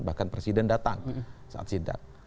bahkan presiden datang saat sidak